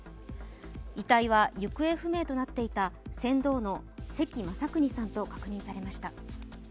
遺体は行方不明となっていた船頭の関雅有さんと確認されました。